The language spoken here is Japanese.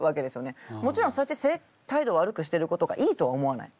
もちろんそうやって態度悪くしてることがいいとは思わない。